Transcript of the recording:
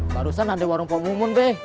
barusan ada warung pok mohon be